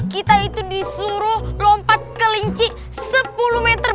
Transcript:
kita itu disuruh lompat ke linci sepuluh meter